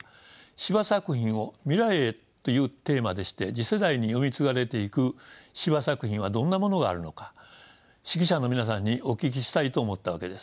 「司馬作品を未来へ」というテーマでして次世代に読み継がれていく司馬作品はどんなものがあるのか識者の皆さんにお聞きしたいと思ったわけです。